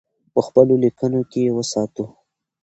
په خپلو لیکنو کې یې وساتو.